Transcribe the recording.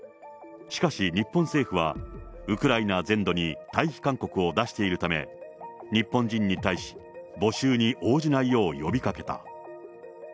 しかし、日本政府はウクライナ全土に退避勧告を出しているため、日本人に対し、募集に応じないよう呼びかけた。